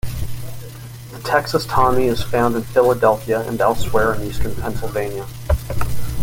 The Texas Tommy is found in Philadelphia and elsewhere in Eastern Pennsylvania.